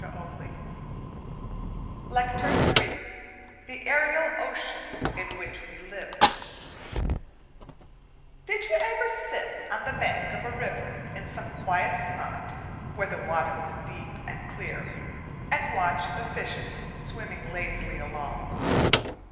Week 7 LECTURE III The Aerial Ocean in Which We Live Did you ever sit on the bank of a river in some quiet spot where the water was deep and clear, and watch the fishes swimming lazily along?